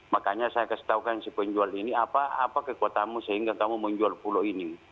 makanya saya kasih taukan si penjual ini apa kekuatamu sehingga kamu menjual pulau ini